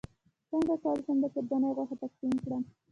څنګه کولی شم د قرباني غوښه تقسیم کړم